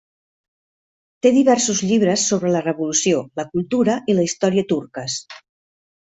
Té diversos llibres sobre la Revolució, la cultura i la història turques.